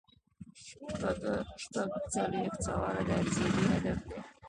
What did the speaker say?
شپږ څلویښتم سوال د ارزیابۍ هدف دی.